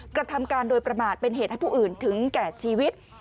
กระทำการโดยประมาทเป็นเหตุให้ผู้อื่นถึงแก่ชีวิต